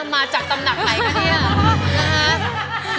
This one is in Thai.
มาจากตำหนักไหนคะเนี่ย